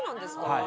はい。